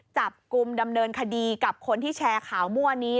จับกลุ่มดำเนินคดีกับคนที่แชร์ข่าวมั่วนี้